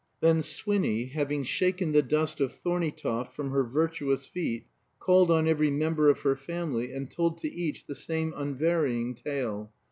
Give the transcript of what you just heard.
Then Swinny, having shaken the dust of Thorneytoft from her virtuous feet, called on every member of her family, and told to each the same unvarying tale.